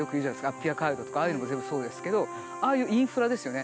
アッピア街道とかああいうのも全部そうですけどああいうインフラですよね。